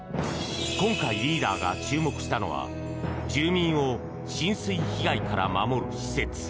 今回、リーダーが注目したのは住民を浸水被害から守る施設。